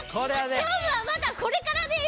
しょうぶはまだこれからです！